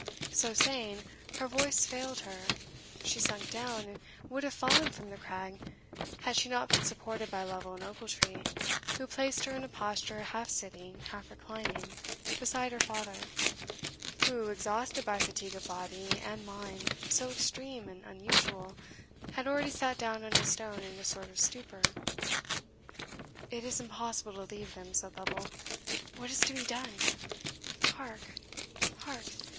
So saying, her voice failed her she sunk down, and would have fallen from the crag, had she not been supported by Lovel and Ochiltree, who placed her in a posture half sitting, half reclining, beside her father, who, exhausted by fatigue of body and mind so extreme and unusual, had already sat down on a stone in a sort of stupor. "It is impossible to leave them," said Lovel "What is to be done? Hark! hark!